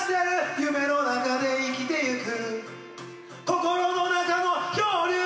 夢の中で生きていく